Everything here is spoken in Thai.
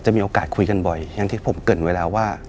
มีโอกาสคุยกันบ่อยอย่างที่ผมเกิดไว้แล้วว่า